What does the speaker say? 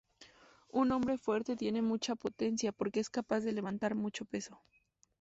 Un hombre fuerte tiene mucha potencia porque es capaz de levantar mucho peso.